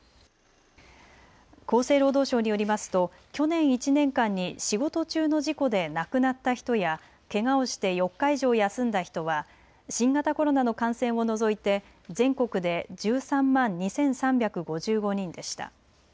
厚生労働省によりますと去年１年間に仕事中の事故で亡くなった人や、けがをして４日以上休んだ人は新型コロナの感染を除いて全国で１３万２３５５人でした。